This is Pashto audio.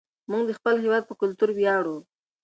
موږ د خپل هېواد په کلتور ویاړو.